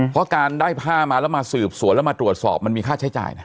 เพราะการได้ผ้ามาแล้วมาสืบสวนแล้วมาตรวจสอบมันมีค่าใช้จ่ายนะ